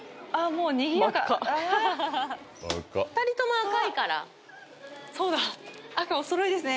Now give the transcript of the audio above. もうにぎやかあぁ２人とも赤いからそうだ赤おそろいですね